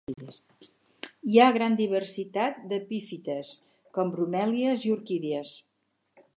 Hi ha gran diversitat d'epífites, com bromèlies i orquídies.